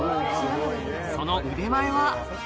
その腕前は？